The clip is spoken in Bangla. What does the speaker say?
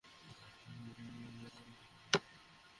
এসব নাম বাদ দিতে তাঁরা বলেছেন, প্রয়োজনে লোকবল তিন গুণ বাড়ানো হবে।